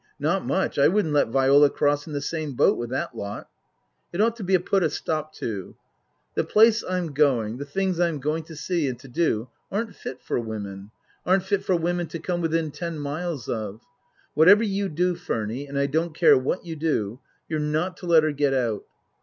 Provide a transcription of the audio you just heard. Not much. I wouldn't let Viola cross in the same boat with that lot. " It ought to be put a stop to. " The place I'm going to the things I'm. going to see and to do aren't fit for women aren't fit for women to come within ten miles of. Whatever you do, Furny and I don't care what you do you're not to let her get out."